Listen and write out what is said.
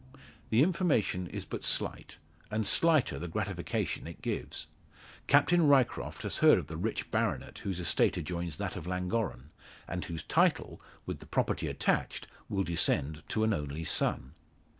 The information is but slight, and slighter the gratification it gives. Captain Ryecroft has heard of the rich baronet whose estate adjoins that of Llangorren, and whose title, with the property attached, will descend to an only son.